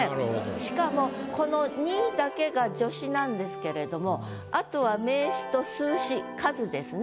しかもこの「に」だけが助詞なんですけれどもあとは名詞と数詞数ですね。